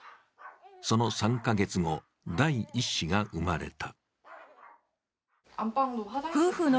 その３か月後、第１子が生まれた。